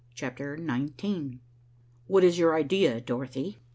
CHAPTER XIX "What is your idea, Dorothy?"